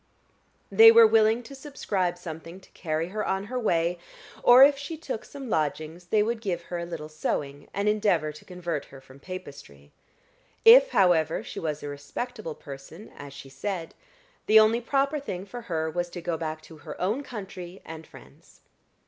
They were willing to subscribe something to carry her on her way, or if she took some lodgings they would give her a little sewing, and endeavor to convert her from Papistry. If, however, she was a respectable person, as she said, the only proper thing for her was to go back to her own country and friends.